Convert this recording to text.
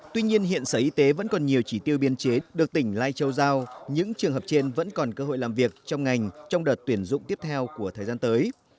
tuy nhiên hiện sở y tế vẫn còn nhiều chỉ tiêu biên chế được tỉnh lai châu giao những trường hợp trên vẫn còn cơ hội làm việc trong ngành trong đợt tuyển dụng tiếp theo của thời gian tới